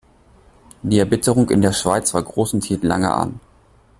Die Erbitterung in der Schweiz war gross und hielt lange an.